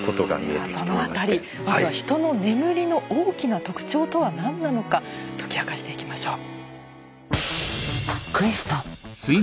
ではその辺りまずはヒトの眠りの大きな特徴とは何なのか解き明かしていきましょう。